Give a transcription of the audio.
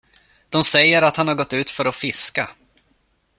De säger, att han har gått ut för att fiska.